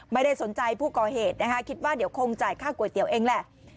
ไม่ได้สนใจผู้ก่อเหตุนะคะคิดว่าเดี๋ยวคงจ่ายค่าก๋วยเตี๋ยวเองแหละ